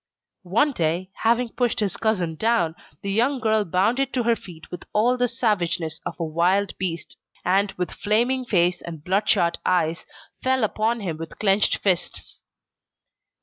One day, having pushed his cousin down, the young girl bounded to her feet with all the savageness of a wild beast, and, with flaming face and bloodshot eyes, fell upon him with clenched fists.